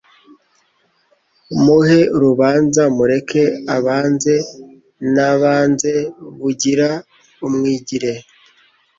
Muhe urubanza mureke abanze Nabanze Bugiri, umwigire